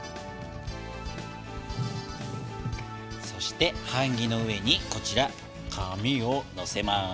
そして版木の上にこちら紙をのせます。